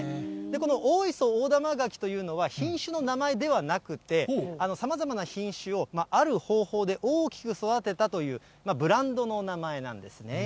この大磯大玉柿というのは、品種の名前ではなくて、さまざまな品種をある方法で大きく育てたという、ブランドの名前なんですね。